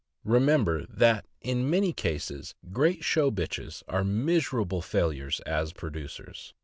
Remember that, in many cases, great show bitches are miserable failures as producers.